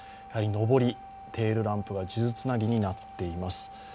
上り、テールランプが数珠つなぎになっています。